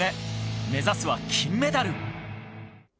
目指すは金メダル。